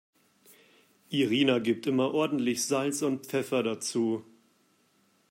Irina gibt immer ordentlich Salz und Pfeffer dazu.